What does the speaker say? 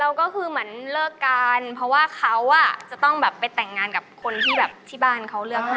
แล้วก็คือเหมือนเลิกการเพราะว่าเขาจะต้องไปแต่งงานกับคนที่บ้านเขาเลือกให้